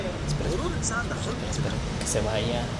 غرور انسان له خلکو جلا کوي.